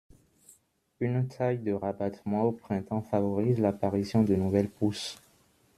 Une taille de rabattement au printemps favorise l'apparition de nouvelles pousses.